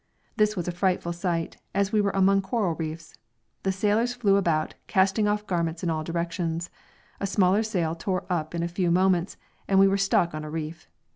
This was a frightful sight, as we were among coral reefs. The sailors flew about, casting off garments in all directions. A smaller sail tore up in a few moments, and we were stuck on a reef.